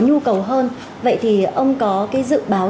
nhu cầu hơn vậy thì ông có cái dự báo